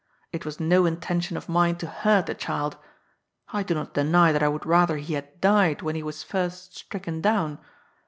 It was no intention of mine to hurt the child. I do not deny that I would rather he had died when he was first stricken down.